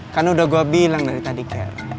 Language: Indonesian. kan udah gua bilang dari tadi ger